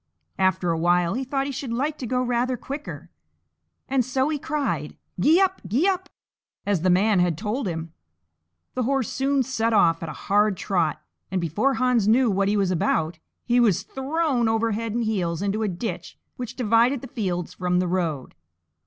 After a while he thought he should like to go rather quicker, and so he cried, "Gee up! gee up!" as the man had told him. The horse soon set off at a hard trot, and, before Hans knew what he was about, he was thrown over head and heels into a ditch which divided the fields from the road.